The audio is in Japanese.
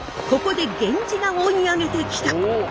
ここで源氏が追い上げてきた！